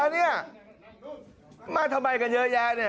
นี่มาทำไมกันเยอะแยะ